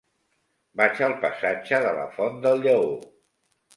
Vaig al passatge de la Font del Lleó.